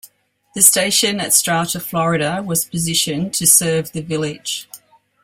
The station at Strata Florida was positioned to serve the village.